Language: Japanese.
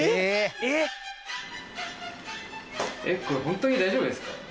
えっこれホントに大丈夫ですか？